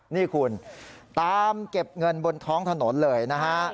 นี่คุณตามเก็บเงินบนท้องถนนเลยนะฮะ